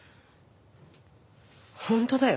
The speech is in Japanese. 本当だよ。